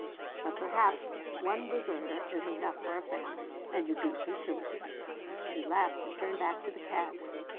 But perhaps one deserter is enough for a family and you beat me to it." She laughed and turned back to the cabs.